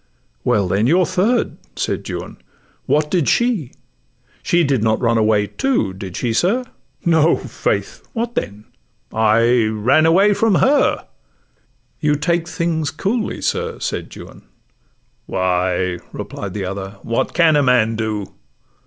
'Well, then, your third,' said Juan; 'what did she? She did not run away, too,—did she, sir?' 'No, faith.'—'What then?'—'I ran away from her.' 'You take things coolly, sir,' said Juan. 'Why,' Replied the other, 'what can a man do?